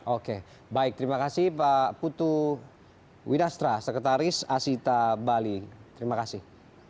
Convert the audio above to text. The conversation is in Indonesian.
oke baik terima kasih pak putu widastra sekretaris asita bali terima kasih